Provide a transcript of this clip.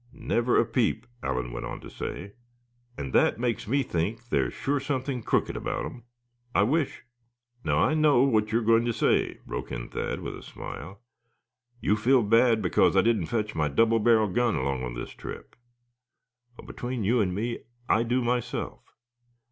"Never a peep," Allan went on to say. "And that makes me think there's sure something crooked about 'em. I wish " "Now I know what you're going to say," broke in Thad, with a smile; "you feel bad because I didn't fetch my double barrel gun along on this trip. Well, between you and me, I do, myself.